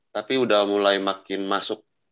tapi udah mulai makin masuk